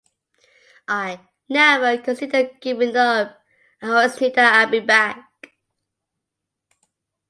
I never considered giving up; I always knew that I'd be back.